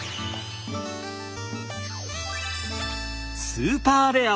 スーパーレア！